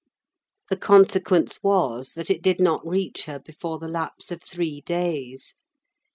The consequence was, that it did not reach her before the lapse of three days.